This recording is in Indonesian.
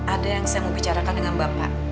ada yang saya mau bicarakan dengan bapak